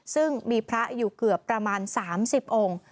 ซึ่งมีพระอยู่เกือบประมาณ๓๐องค์